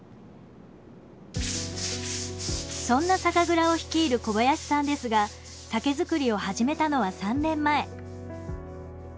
そんな酒蔵を率いる小林さんですが酒造りを始めたのは３年前。